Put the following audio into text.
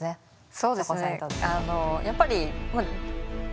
そうですね。